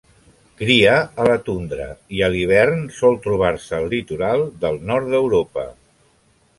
Cria a la tundra i a l'hivern sol trobar-se al litoral del nord d'Europa.